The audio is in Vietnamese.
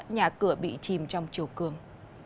nhà cửa bị chìm trong chiều cường